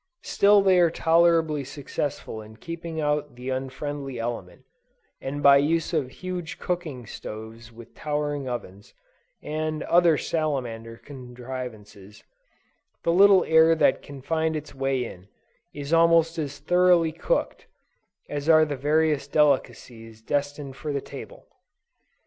Still they are tolerably successful in keeping out the unfriendly element; and by the use of huge cooking stoves with towering ovens, and other salamander contrivances, the little air that can find its way in, is almost as thoroughly cooked, as are the various delicacies destined for the table.